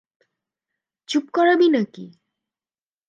চুপ করাবি নাকি?